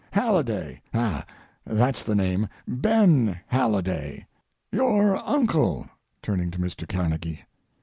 Halliday—ah, that's the name—Ben Halliday, your uncle [turning to Mr. Carnegie].